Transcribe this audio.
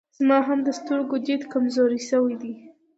زما هم د سترګو ديد کمزوری سوی دی